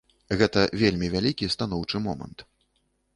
Гэта вельмі вялікі станоўчы момант.